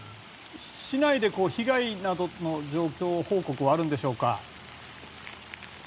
市内で被害などの状況報告はあるんでしょうか。